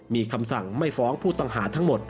มีคำสั่งไม่ฟ้องผู้ต้องหาทั้งหมด